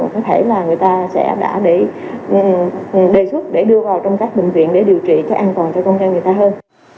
có thể là người ta sẽ đã để đề xuất để đưa vào trong các bệnh viện để điều trị cho an toàn cho công trang người ta hơn